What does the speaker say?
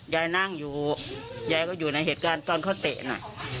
ยายนั่งอยู่ยายก็อยู่ในเหตุการณ์ตอนเขาเตะน่ะ